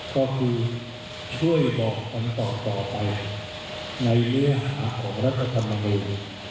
ก็คือช่วยบอกคำตอบต่อไปในเนื้อหาของรัฐธรรมนูล